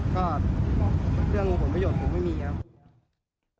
ก็เรื่องผลประโยชน์ผมไม่มีครับ